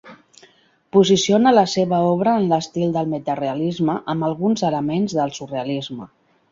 Posiciona la seva obra en l'estil del metarealisme amb alguns elements del surrealisme.